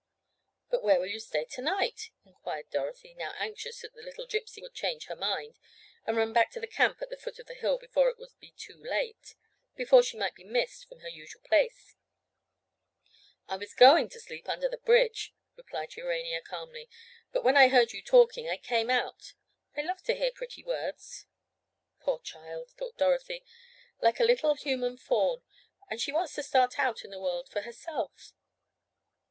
"But where will you stay to night?" inquired Dorothy, now anxious that the little Gypsy would change her mind, and run back to the camp at the foot of the hill before it would be too late—before she might be missed from her usual place. "I was going to sleep under the bridge," replied Urania calmly, "but when I heard you talking I came out. I love to hear pretty words." "Poor child," thought Dorothy, "like a little human fawn. And she wants to start out in the world for herself!"